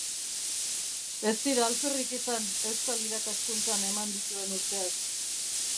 Ez dira alferrik izan euskal irakaskuntzan eman dituen urteak.